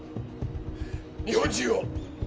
日本人を！